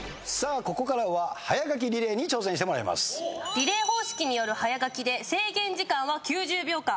リレー方式による早書きで制限時間は９０秒間。